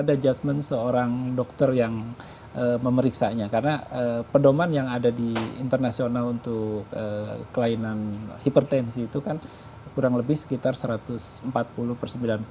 jadi ini ada judgement seorang dokter yang memeriksanya karena pedoman yang ada di internasional untuk kelainan hipertensi itu kan kurang lebih sekitar satu ratus empat puluh per sembilan puluh